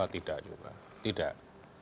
tidak juga tidak